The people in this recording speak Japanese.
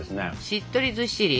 しっとりずっしり？